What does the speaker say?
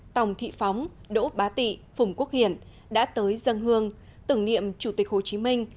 tòng thị phóng đỗ bá tị phùng quốc hiển đã tới dân hương tưởng niệm chủ tịch hồ chí minh